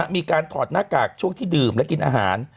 ถอดหน้ากากช่วงที่ดื่มและกินอาหาร